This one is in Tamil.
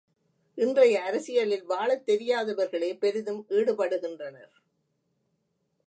இன்றைய அரசியலில் வாழத் தெரியாதவர்களே பெரிதும் ஈடுபடுகின்றனர்.